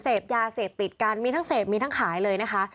เสพยาเสพติดกันมีทั้งเสพมีทั้งขายเลยนะคะ